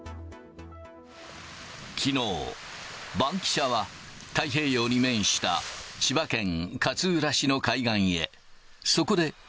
きのう、バンキシャは太平洋に面した千葉県勝浦市の海岸へ。